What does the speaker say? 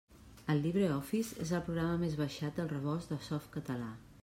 El LibreOffice és el programa més baixat del Rebost de Softcatalà.